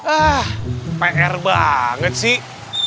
ah pr banget sih